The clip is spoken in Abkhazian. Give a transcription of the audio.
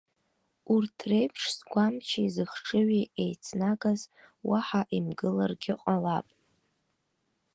Урҭ реиԥш згәамчи зыхшыҩи еицназгоз уаҳа имгыларгьы ҟалап!